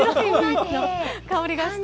香りがした。